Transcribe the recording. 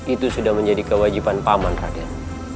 itu sudah menjadi kewajiban paman rakyat